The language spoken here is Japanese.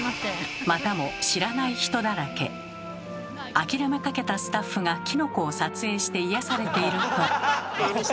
諦めかけたスタッフがキノコを撮影して癒やされていると。